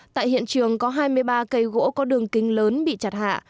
tại hiện trường có hai mươi ba cây gỗ có đường kính lớn bị chặt hạ